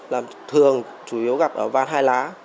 làm thường chủ yếu gặp ở van hai lá